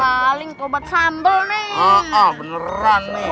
paling coba sambal nih beneran nih